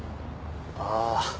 ああ。